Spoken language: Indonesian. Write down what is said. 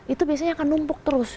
itu biasanya akan numpuk terus